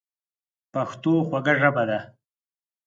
پښتو خوږه ژبه ده.